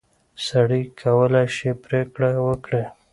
سړی کولای شي پرېکړه وکړي.